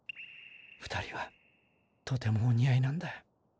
２人はとてもお似合いなんだ。